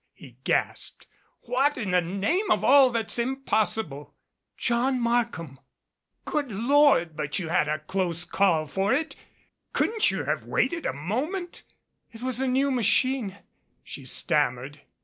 he gasped. "What in the name of all that's impossible " "John Markham!" "Good Lord, but you had a close call for it ! Couldn't you have waited a moment " "It was a new machine," she stammered.